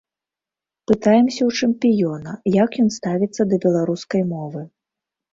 Пытаемся ў чэмпіёна, як ён ставіцца да беларускай мовы.